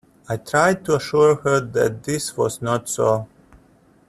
I tried to assure her that this was not so.